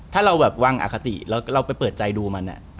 ถ้าเราแบบวางอคติแล้วเราไปเปิดใจดูมัน